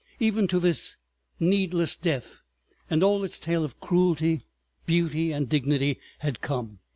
Even to this needless death and all its tale of cruelty, beauty and dignity had come.